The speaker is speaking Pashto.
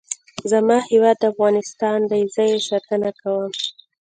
زما هیواد افغانستان دی. زه یې ساتنه کوم.